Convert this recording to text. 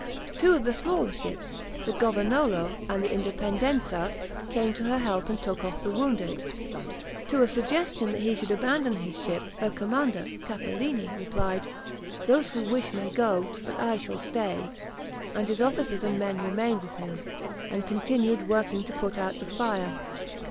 Two of the smaller ships, the "Governolo" and the "Independenza," came to her help and took off her wounded. To a suggestion that he should abandon his ship, her commander, Capellini, replied: "Those who wish may go, but I shall stay," and his officers and men remained with him, and continued working to put out the fire.